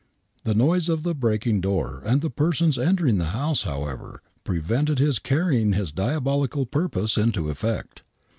The noise of the breaking door and the persons entering the house, however, prevented his carrying his diabolical purpose into effect.